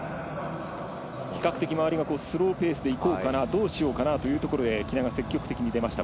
比較的周りがスローペースでいこうかなどうしようかなというところで喜納が積極的に出ました。